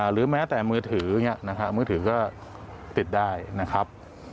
หรือแม้แต่มือถืออย่างนี้นะครับมือถือก็ติดได้นะครับ